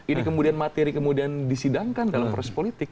ini kemudian materi kemudian disidangkan dalam proses politik